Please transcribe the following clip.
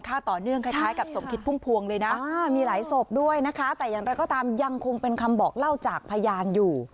ต่อเนื่องคล้ายกับสมคิดพุ่มพวงเลยนะมีหลายศพด้วยนะคะแต่อย่างไรก็ตามยังคงเป็นคำบอกเล่าจากพยานอยู่